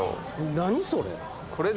何それ？